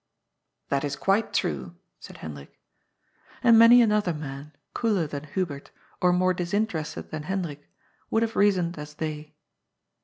" That is quite true," said Hendrik. And many another man, cooler than Hubert or more^ disinterested than Hendrik, would have reasoned as they.